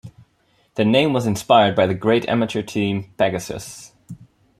Their name was inspired by the great amateur team Pegasus.